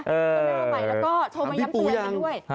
แล้วก็โทรมาแย้มเตือนกันด้วย